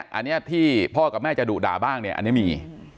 อันนี้ที่พ่อกับแม่จะดุด่าบ้างเนี่ยอันนี้มี